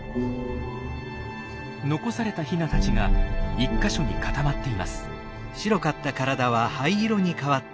残されたヒナたちが１か所に固まっています。